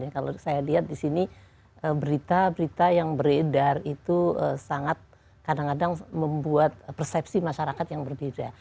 kalau saya lihat di sini berita berita yang beredar itu sangat kadang kadang membuat persepsi masyarakat yang berbeda